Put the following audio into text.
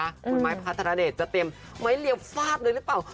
ใช่ค่ะไม้พระธรเดชจะเต็มไหม้เลียวฟาดเลยรึเปล่า